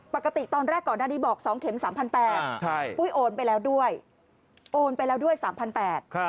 ปกติตอนแรกก่อนอันนี้บอก๒เข็ม๓๘๐๐บาทอ้วยโอนไปแล้วด้วย๓๘๐๐บาท